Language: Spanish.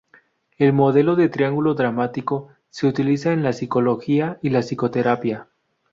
El modelo de triángulo dramático se utiliza en la psicología y la psicoterapia.